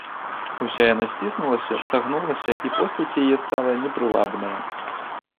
Уся яна сціснулася, сагнулася, і постаць яе стала непрывабная.